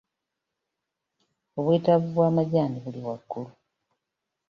Obwetaavu bw'amajaani buli waggulu.